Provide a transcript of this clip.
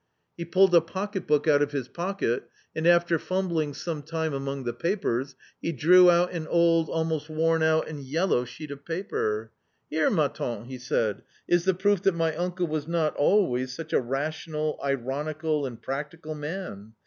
He pulled a pocket book out of his pocket, and after fumbling some time among the papers, he drew out an , old, almost worn out and yellow sheet of paper. j "Here, ma fanfe" he said, "is the proof that my uncle ^was not always such a rational, ironical, and practical man.